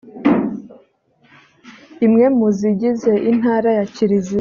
imwe mu zigize intara ya kiliziya